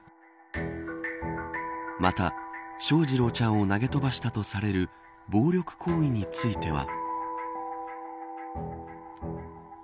また、翔士郎ちゃんを投げ飛ばしたとされる暴力行為については。